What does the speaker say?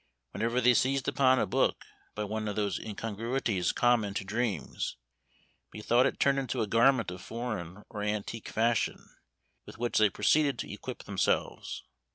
Whenever they seized upon a book, by one of those incongruities common to dreams, methought it turned into a garment of foreign or antique fashion, with which they proceeded to equip themselves.